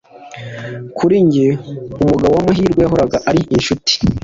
kuri njye, umugabo wamahirwe yahoraga ari inshuti